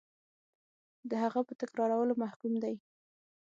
د هغه په تکرارولو محکوم دی.